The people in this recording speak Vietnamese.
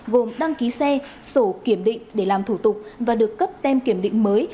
gồm đăng ký xe sổ kiểm định để làm thủ tục và được cấp tem kiểm định mới